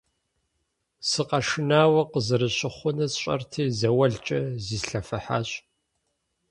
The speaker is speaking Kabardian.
Сыкъэшынауэ къызэрыщыхъунур сщӀэрти, заулкӀэ зислъэфыхьащ.